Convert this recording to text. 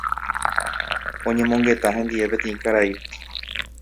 oñemongeta hendive peteĩ karai